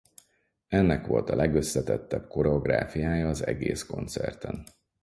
Ennek volt a legösszetettebb koreográfiája az egész koncerten.